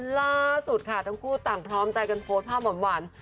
ล่าสุดค่ะทั้งคู่ต่างพร้อมใจกันโพสต์ภาพหวาน